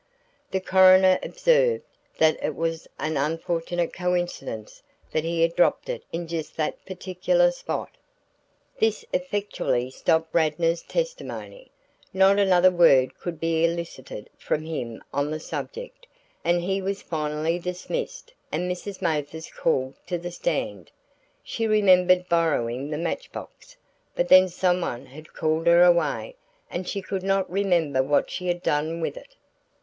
The coroner observed that it was an unfortunate coincidence that he had dropped it in just that particular spot. This effectually stopped Radnor's testimony. Not another word could be elicited from him on the subject, and he was finally dismissed and Mrs. Mathers called to the stand. She remembered borrowing the match box, but then someone had called her away and she could not remember what she had done with it.